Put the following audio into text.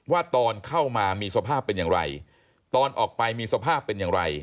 ว่าตอนเข้ามามีสภาพเป็นอย่างไรตอนออกไปมีสภาพเป็นอย่างไร